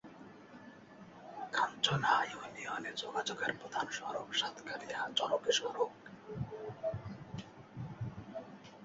কাঞ্চনা ইউনিয়নে যোগাযোগের প্রধান সড়ক সাতকানিয়া-চরতী সড়ক।